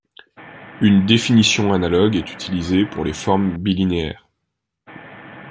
Une définition analogue est utilisée pour les formes bilinéaires.